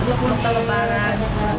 ya belum kelebaran